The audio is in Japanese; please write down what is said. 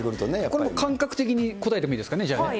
これもう感覚的に答えていいですかね、じゃあ。